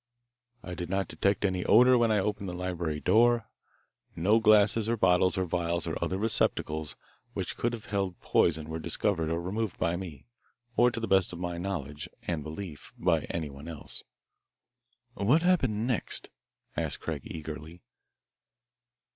"'I did not detect any odour when I opened the library door. No glasses or bottles or vials or other receptacles which could have held poison were discovered or removed by me, or to the best of my knowledge and belief by anyone else.'" "What happened next?" asked Craig eagerly.